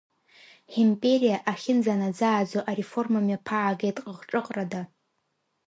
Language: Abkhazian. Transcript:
Ҳимпериа ахьынӡанаӡааӡо ареформа мҩаԥаагеит ҟыҟҿыҟрада.